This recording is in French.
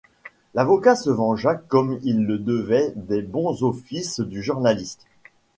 L’avocat se vengea comme il le devait des bons offices du journaliste.